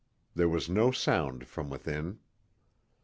There was no sound from within.